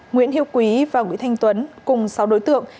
nguyễn hiệu quý và nguyễn thanh tuấn cùng sáu đối tượng